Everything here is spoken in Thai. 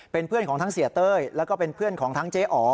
เป็นเพื่อนของทั้งเสียเต้ยแล้วก็เป็นเพื่อนของทั้งเจ๊อ๋อ